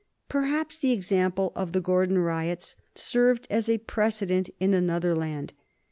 Perhaps the example of the Gordon riots served as a precedent in another land.